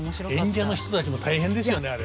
演者の人たちも大変ですよねあれ。